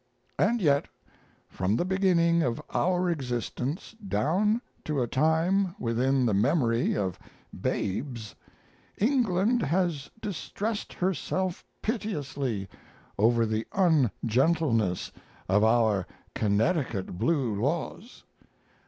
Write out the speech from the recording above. And yet from the beginning of our existence down to a time within the memory of babes England has distressed herself piteously over the ungentleness of our Connecticut Blue Laws.